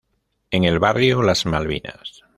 En el barrio Las Malvinas.